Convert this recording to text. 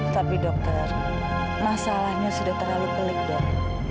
tapi dokter masalahnya sudah terlalu pelik dok